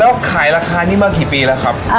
แล้วขายราคานี้มากี่ปีแล้วครับ